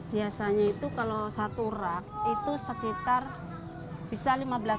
biasanya itu kalau satu rak itu sekitar bisa lima belas